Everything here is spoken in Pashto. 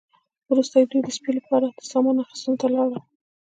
وروسته دوی د سپي لپاره د سامان اخیستلو ته لاړل